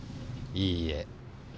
いいえ。